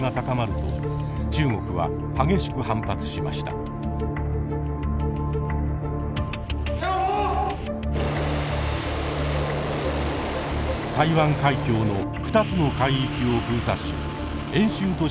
台湾海峡の２つの海域を封鎖し演習としてミサイルを発射。